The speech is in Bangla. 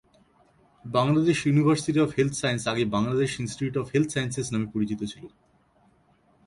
Bangladesh university of health science’ আগে 'Bangladesh institute of health sciences' নামে পরিচিত ছিল।